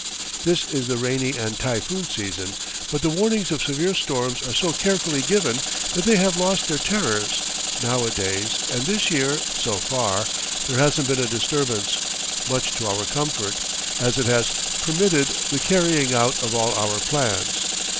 This is the rainy and typhoon season but the warnings of severe storms are so carefully given that they have lost their terrors now a days; and this year, so far, there hasn't been a disturbance, much to our comfort, as it has permitted the carrying out of all our plans.